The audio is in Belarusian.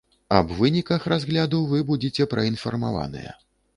Аб выніках разгляду вы будзеце праінфармаваныя.